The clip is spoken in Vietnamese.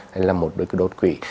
hay là một cái đột quỵ